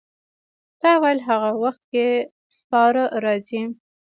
تا ویل هغه وخت کې سپاره راځي.